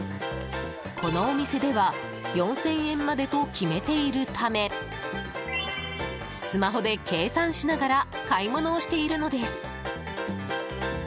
このお店では４０００円までと決めているためスマホで計算しながら買い物をしているのです。